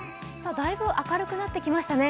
だいぶ明るくなってきましたね。